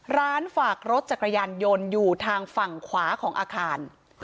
ร้านฝากรถจักรยานยนต์อยู่ทางฝั่งขวาของอาคาร